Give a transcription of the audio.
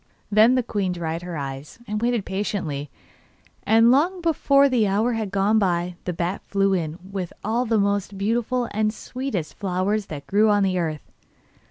Then the queen dried her eyes, and waited patiently, and long before the hour had gone by the bat flew in with all the most beautiful and sweetest flowers that grew on the earth.